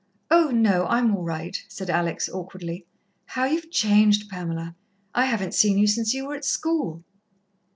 "Oh, no, I'm all right," said Alex awkwardly. "How you've changed, Pamela! I haven't seen you since you were at school."